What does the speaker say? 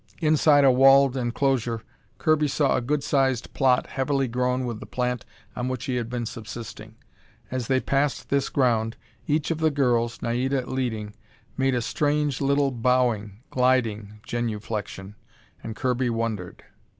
Inside a walled enclosure, Kirby saw a good sized plot heavily grown with the plant on which he had been subsisting. As they passed this ground, each of the girls, Naida leading, made a strange little bowing, gliding genuflection, and Kirby wondered.